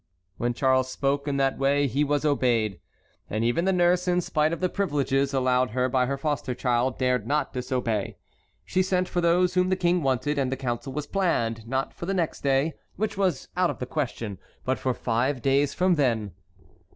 When Charles spoke in that way he was obeyed; and even the nurse, in spite of the privileges allowed her by her foster child, dared not disobey. She sent for those whom the King wanted, and the council was planned, not for the next day, which was out of the question, but for five days from then.